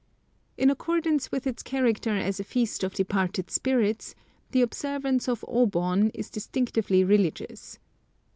In accordance with its character as a feast of departed spirits, the observance of O Bon is distinctively religious.